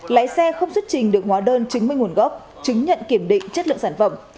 lái xe không xuất trình được hóa đơn chứng minh nguồn gốc chứng nhận kiểm định chất lượng sản phẩm